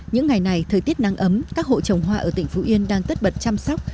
những ngày này thời tiết nắng ấm các hộ trồng hoa ở tỉnh phú yên đang tất bật chăm sóc